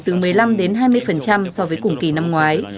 từ một mươi năm hai mươi so với cùng kỳ năm ngoái